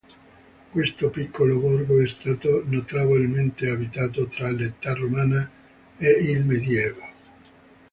Questo piccolo borgo è stato notevolmente abitato tra l'Età romana e il Medioevo.